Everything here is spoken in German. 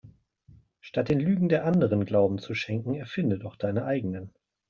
Statt den Lügen der Anderen Glauben zu schenken erfinde doch deine eigenen.